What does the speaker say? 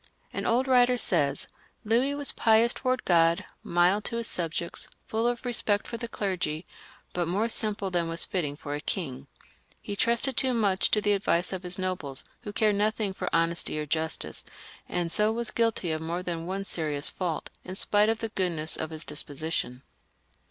An old writer says, "Louis was pious towards God, mild to his subjects, full of respect for the clergy, but more simple than was fitting for a king. He trusted too much 90 LOUIS VII, {LE JEUNE), [CH. to the advice of his nobles, who cared nothing for honesty or justice, and so was guilty of more than one serious fault, in spite of the goodness of his disposition."